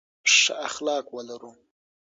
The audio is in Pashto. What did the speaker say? ښه اخلاق ولرو.